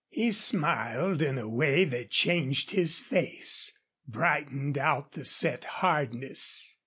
He smiled in a way that changed his face brightened out the set hardness.